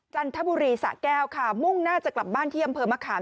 จันทบุรีสะแก้วค่ะมุ่งหน้าจะกลับบ้านที่อำเภอมะขาม